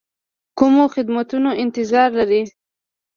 کومو خدماتو انتظار لري.